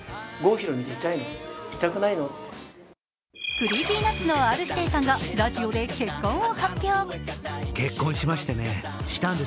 ＣｒｅｅｐｙＮｕｔｓのＲ−指定さんがラジオで結婚を発表。